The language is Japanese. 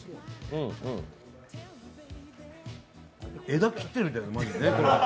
枝切ってるみたい、マジね。